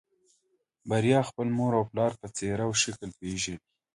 بريا خپل پلار او مور په څېره او شکل پېژني.